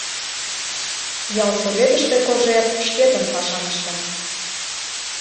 Ялсоветыште Кожер шкетын пашам ышта.